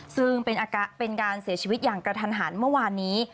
ซึ่งเป็นการเสียชีวิตอย่างกระทันหันเมื่อวานนี้